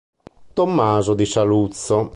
Tommaso di Saluzzo